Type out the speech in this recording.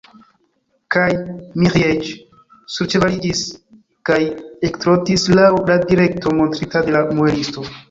Kaj Miĥeiĉ surĉevaliĝis kaj ektrotis laŭ la direkto, montrita de la muelisto.